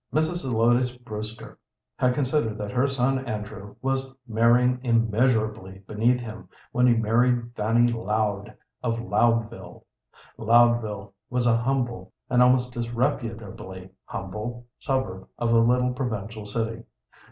Mrs. Zelotes Brewster had considered that her son Andrew was marrying immeasurably beneath him when he married Fanny Loud, of Loudville. Loudville was a humble, an almost disreputably humble, suburb of the little provincial city.